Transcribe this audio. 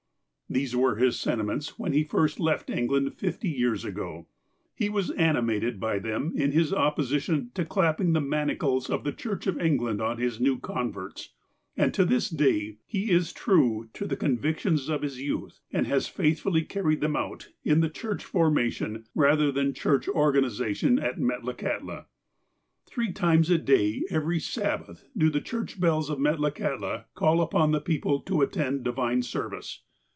These were his sentiments when he first left England fifty years ago. He was animated by them in his opposi tion to clapping the manacles of the Church of England on his new converts, and to this day he is true to the con victions of his youth, and has faithfully carried them out in the church formation, rather than church organization, at Metlakahtla. Three times a day every Sabbath do the church bells of Metlakahtla call upon the people to attend divine service.